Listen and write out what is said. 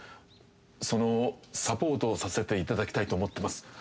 そのサポートをさせていただきたいと思ってます。